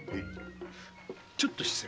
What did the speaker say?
ちょっと失礼。